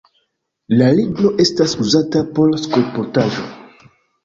La ligno estas uzata por skulptaĵoj.